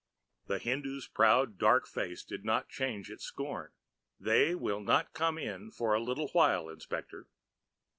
The Hindoo's proud, dark face did not change its scorn. "They will not come in for a little while, inspector.